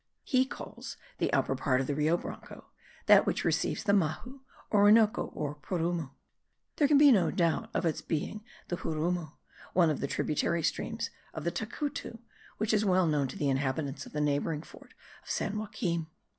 He calls the upper part of the Rio Branco (that which receives the Mahu) Orinoco or Purumu. There can be no doubt of its being the Xurumu, one of the tributary streams of the Tacutu, which is well known to the inhabitants of the neighbouring fort of San Joaquim.